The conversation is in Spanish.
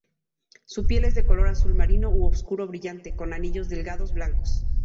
Su piel es de color azul marino u obscuro brillante, con anillos delgados blancos.